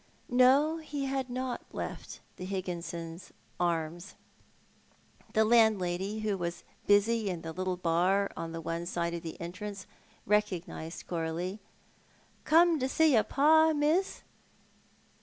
No, he had not left the Higginson Arms. The landlady, who was busy in the little bar on one side of the entrance, recognised Coralie. "Come to see your pa, miss?